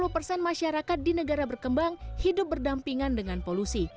lima puluh persen masyarakat di negara berkembang hidup berdampingan dengan polusi